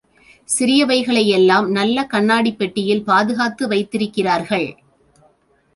சிறியவைகளை எல்லாம், நல்ல கண்ணாடிப் பெட்டியில் பாதுகாத்து வைத்திருக்கிறார்கள்.